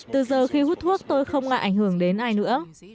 từ giờ khi hút thuốc tôi không ngại ảnh hưởng đến ai nữa